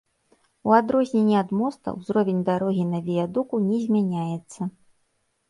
У адрозненне ад моста, узровень дарогі на віядуку не змяняецца.